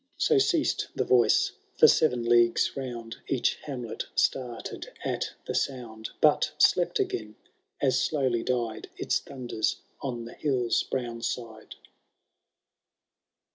'' So ceased the Voice ; for seven leagues round Each hamlet started at the sound ; But slept again, as slowly died Its thunders on the hill'a brown side.